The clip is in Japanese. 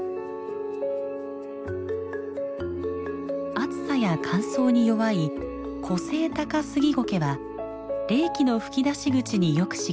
暑さや乾燥に弱いコセイタカスギゴケは冷気の吹き出し口によく茂ります。